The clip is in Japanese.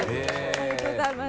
ありがとうございます。